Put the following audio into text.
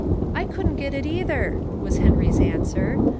"I couldn't get it either," was Henry's answer.